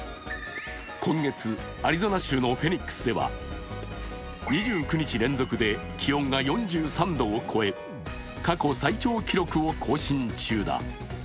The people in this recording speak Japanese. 今月、アリゾナ州のフェニックスでは、２９日連続で気温が４３度を超え、過去最長記録を更新中だ。